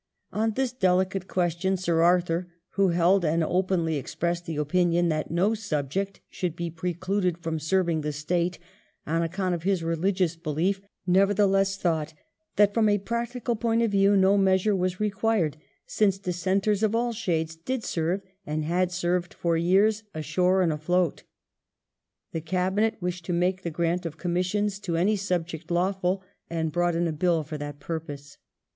On this delicate question Sir Arthur, who held and openly expressed the opinion that no subject should be precluded from serving the State on account of his religious belief, nevertheless thought that from a practical point of view no measure was required, since Dissenters of all shades did serve and had served for years ashore and afloat. The Cabinet wished to make the grant of commissions to any subject lawful, and brought in a Bill for that purpose.